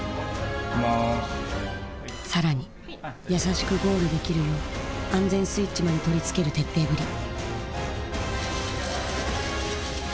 更に優しくゴールできるよう安全スイッチまで取りつける徹底ぶり。